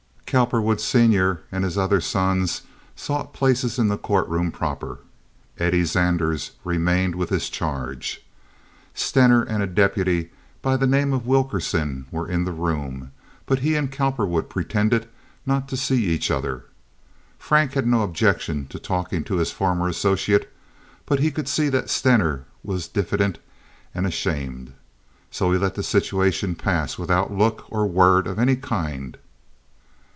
Cowperwood, senior, and his other sons sought places in the courtroom proper. Eddie Zanders remained with his charge. Stener and a deputy by the name of Wilkerson were in the room; but he and Cowperwood pretended now not to see each other. Frank had no objection to talking to his former associate, but he could see that Stener was diffident and ashamed. So he let the situation pass without look or word of any kind.